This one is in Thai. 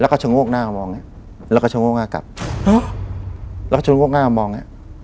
แล้วก็ชงโรคหน้ามองแล้วก็ชงโรคหน้ากลับแล้วก็ชงโรคหน้ามอง